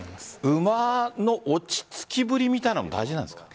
馬の落ち着きぶりみたいなのも大事なんですか？